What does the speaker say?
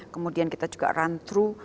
kemudian kita juga run through